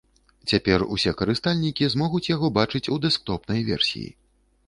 Цяпер усе карыстальнікі змогуць яго бачыць у дэсктопнай версіі.